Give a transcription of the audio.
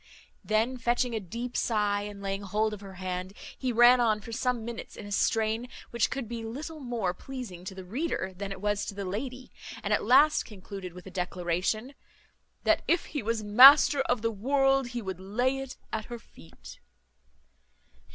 Then fetching a deep sigh, and laying hold of her hand, he ran on for some minutes in a strain which would be little more pleasing to the reader than it was to the lady; and at last concluded with a declaration, "That if he was master of the world, he would lay it at her feet."